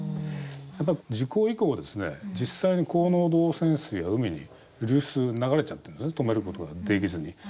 やっぱり、事故以降実際に高濃度汚染水は海に流出流れちゃってるんですね止めることができずに。